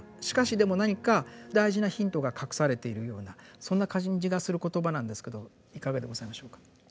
しかしでも何か大事なヒントが隠されているようなそんな感じがする言葉なんですけどいかがでございましょうか。